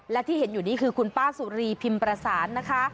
และที่เห็นอยู่นี่คือคุณป้าสุรีพิมพ์ประสานนะคะ